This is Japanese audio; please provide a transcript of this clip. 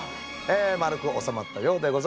丸く収まったようでございます。